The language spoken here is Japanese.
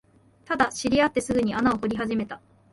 ただ、知り合ってすぐに穴を掘り始めた